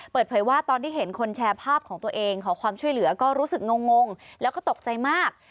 เปิดเผยว่าตอนที่เห็นคนแชร์ภาพของตัวเองขอความช่วยเหลือก็รู้สึกงงแล้วก็ตกใจมาก